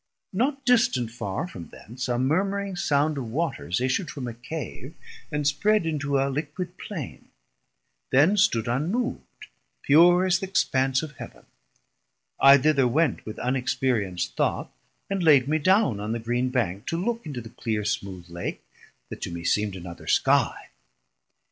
Not distant far from thence a murmuring sound Of waters issu'd from a Cave and spread Into a liquid Plain, then stood unmov'd Pure as th' expanse of Heav'n; I thither went With unexperienc't thought, and laid me downe On the green bank, to look into the cleer Smooth Lake, that to me seemd another Skie.